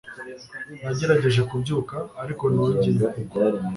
Nagerageje kubyuka, ariko nongeye kugwa